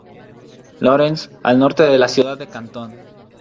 Lawrence, al norte de la ciudad de Canton.